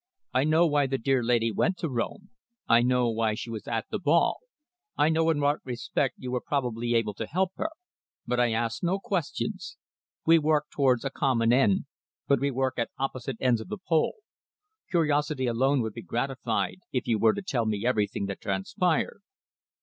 I know why the dear lady went to Rome; I know why she was at the ball. I know in what respect you were probably able to help her. But I ask no questions. We work towards a common end, but we work at opposite ends of the pole. Curiosity alone would be gratified if you were to tell me everything that transpired."